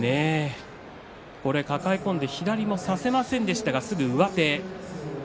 抱え込んで左も差せませんでしたがすぐに上手。